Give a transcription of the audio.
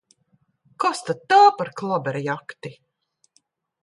Kas tad tā par klaberjakti!